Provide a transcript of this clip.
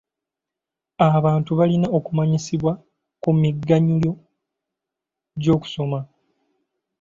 Abantu balina okumanyisibwa ku miganyulo gy'okusoma.